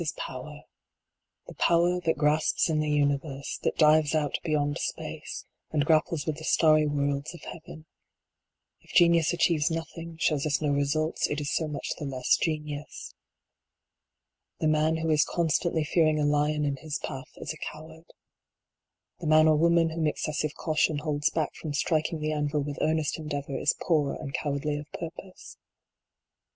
s power. The power that grasps in the universe, that dives out beyond space, and grapples with the starry worlds of heaven. If genius achieves nothing, shows us no results, it is so much the less genius. The man who is constantly fearing a lion in his path is a coward. The man or woman whom excessive caution holds back from striking the anvil with earnest endeavor, is poor and cowardly of purpose.